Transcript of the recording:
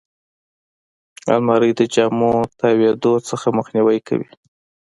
الماري د جامو تاویدو نه مخنیوی کوي